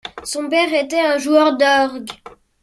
Son père était un joueur d'orgue.